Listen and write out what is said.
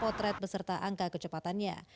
potret beserta angka kecepatannya